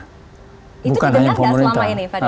itu didengar nggak selama ini fadli